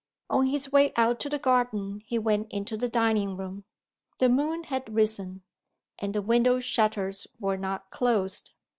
On his way out to the garden, he went into the dining room. The moon had risen; and the window shutters were not closed.